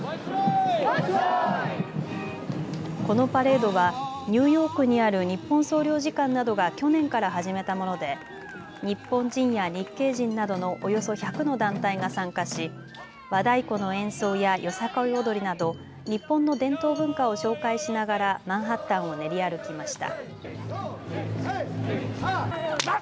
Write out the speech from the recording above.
このパレードはニューヨークにある日本総領事館などが去年から始めたもので日本人や日系人などのおよそ１００の団体が参加し和太鼓の演奏やよさこい踊りなど日本の伝統文化を紹介しながらマンハッタンを練り歩きました。